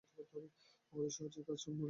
আমাদের সহজ করে বুঝিয়ে বলছো না কেন?